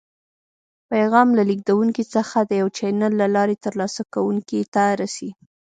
پیغام له لیږدونکي څخه د یو چینل له لارې تر لاسه کوونکي ته رسي.